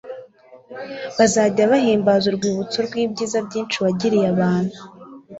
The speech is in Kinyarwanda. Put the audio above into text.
bazajya bahimbaza urwibutso rw'ibyiza byinshi wagiriye abantu